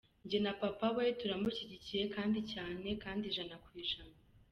Njye na papa we turamushyigikiye kandi cyane kandi ijana ku ijana.